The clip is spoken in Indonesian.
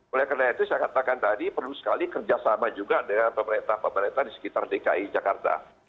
oleh karena itu saya katakan tadi perlu sekali kerjasama juga dengan pemerintah pemerintah di sekitar dki jakarta